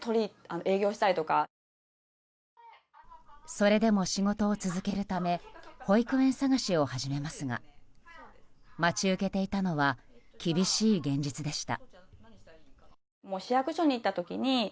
それでも仕事を続けるため保育園探しを始めますが待ち受けていたのは厳しい現実でした。